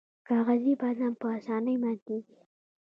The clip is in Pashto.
کاغذي بادام په اسانۍ ماتیږي.